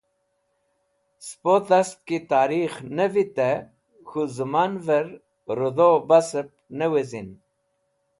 Spo dhast ki tarikh ne vetẽ k̃hũ zẽmanvẽr redho basẽb ne wezin.